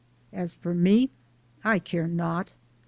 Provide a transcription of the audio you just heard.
As for me I care not